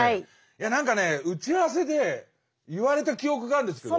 いや何かね打ち合わせで言われた記憶があるんですけど。